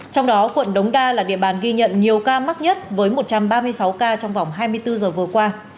trong đó quận đống đa là địa bàn ghi nhận nhiều ca mắc nhất với một trăm ba mươi sáu ca trong vòng hai mươi bốn giờ vừa qua